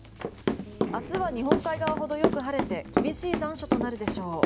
明日は日本海側ほどよく晴れて厳しい残暑となるでしょう。